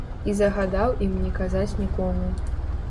І загадаў ім не казаць нікому.